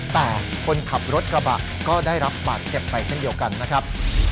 แต่คนขับรถกระบะก็ได้รับบาดเจ็บไปเช่นเดียวกันนะครับ